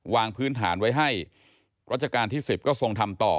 วางพื้นฐานไว้ให้รัชกาลที่๑๐ก็ทรงทำต่อ